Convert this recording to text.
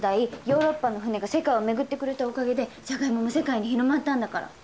ヨーロッパの船が世界を巡ってくれたおかげでジャガイモも世界に広まったんだから。